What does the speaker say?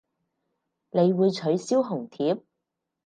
你會取消紅帖